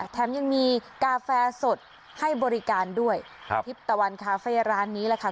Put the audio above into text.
แถมยังมีกาแฟสดให้บริการด้วยครับทิพย์ตะวันคาเฟ่ร้านนี้แหละค่ะ